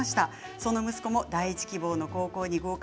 その息子も第１希望の高校に合格